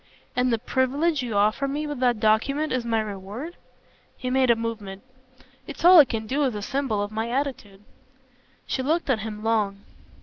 "And the privilege you offer me with that document is my reward?" He made a movement. "It's all I can do as a symbol of my attitude." She looked at him long.